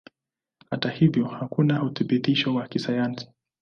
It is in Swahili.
Hata hivyo hakuna uthibitisho wa kisayansi.